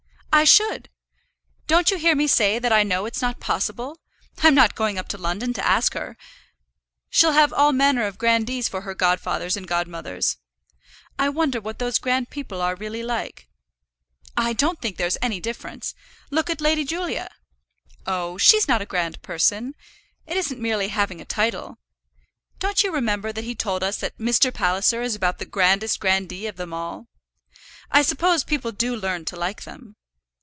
"I should. Don't you hear me say that I know it's not possible? I'm not going up to London to ask her. She'll have all manner of grandees for her godfathers and godmothers. I wonder what those grand people are really like." "I don't think there's any difference. Look at Lady Julia." "Oh, she's not a grand person. It isn't merely having a title. Don't you remember that he told us that Mr. Palliser is about the grandest grandee of them all. I suppose people do learn to like them.